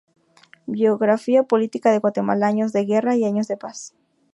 Biografía política de Guatemala: años de guerra y años de paz.